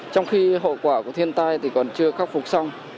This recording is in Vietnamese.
trong khi hậu quả của thiên tai thì còn chưa khắc phục xong